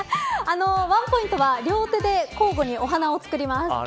ワンポイントは両手で交互にお花をつくります。